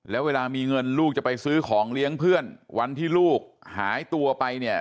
แล้วเวลามีเงินลูกจะไปซื้อของเลี้ยงเพื่อนวันที่ลูกหายตัวไปเนี่ย